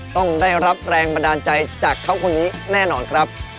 ต้องได้รับแรงบันดาลใจจากเขาคนนี้แน่นอนครับ